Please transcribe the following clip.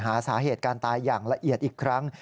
หาสาเหตุการตายอย่างละเอียดอีกครั้ง